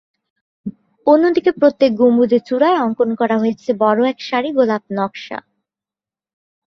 অন্যদিকে প্রত্যেক গম্বুজের চূড়ায় অঙ্কন করা হয়েছে বড় এক সারি গোলাপ নকশা।